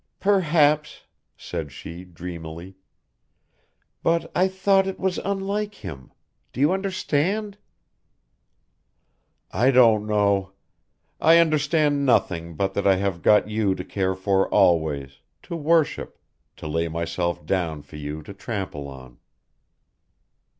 "Perhaps," said she, dreamily, "but, I thought it was unlike him do you understand?" "I don't know. I understand nothing but that I have got you to care for always, to worship, to lay myself down for you to trample on."